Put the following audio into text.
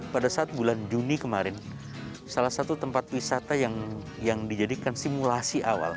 pada saat bulan juni kemarin salah satu tempat wisata yang dijadikan simulasi awal